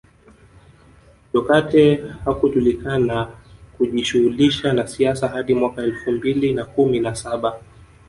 Jokate hakujulikana kujishughulisha na siasa hadi mwaka elfu mbili na kumi na saba